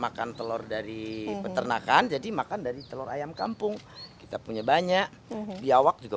makan telur dari peternakan jadi makan dari telur ayam kampung kita punya banyak biawak juga